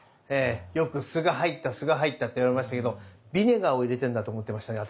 よく「すが入ったすが入った」って言われましたけどビネガーを入れてるんだと思ってましたね